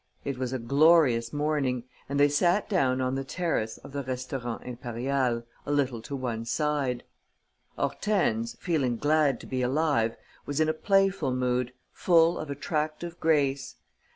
It was a glorious morning and they sat down on the terrace of the Restaurant Impérial, a little to one side. Hortense, feeling glad to be alive, was in a playful mood, full of attractive grace.